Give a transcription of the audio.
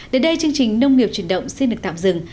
đến đây chương trình nông nghiệp truyền động xin được tạm dừng